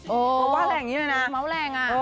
บอกว่าแหล่งนี้ด้วยนะ